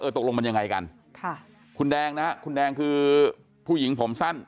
ตกลงมันยังไงกันค่ะคุณแดงนะฮะคุณแดงคือผู้หญิงผมสั้น